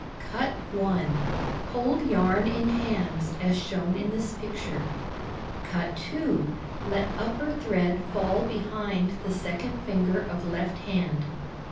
Cut 1 Hold yarn in hands as shown in this picture. Cut 2 Let upper thread fall behind the second finger of left hand.